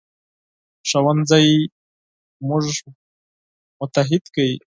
ښوونځی موږ متحد کوي